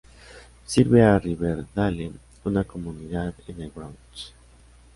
Sirve a Riverdale, una comunidad en el Bronx.